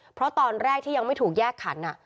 เพราะตอนแรกที่ยังไม่ถูกแยกขัน